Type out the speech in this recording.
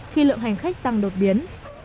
khi lượng hành khách tăng đột biến